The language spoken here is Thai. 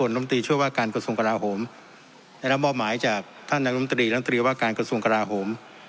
ในรับหมายจากท่านนักนักนมตรีนักนมตรีว่าการกระทรวงกราหม